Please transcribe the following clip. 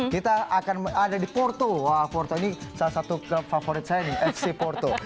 kita akan ada di porto ini salah satu club favorit saya nih fc porto